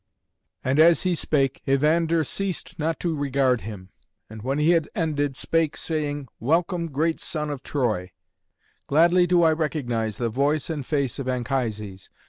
And as he spake, Evander ceased not to regard him, and, when he had ended, spake, saying, "Welcome, great son of Troy. Gladly do I recognise the voice and face of Anchises.